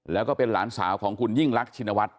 แล้วก็เป็นหลานสาวของคุณยิ่งรักชินวัฒน